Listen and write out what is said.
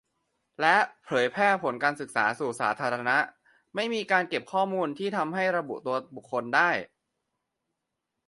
และเผยแพร่ผลการศึกษาสู่สาธารณะ - ไม่มีการเก็บข้อมูลที่ทำให้ระบุตัวบุคคลได้